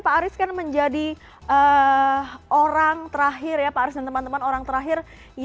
pak aris kan menjadi orang terakhir ya pak aris dan teman teman orang terakhir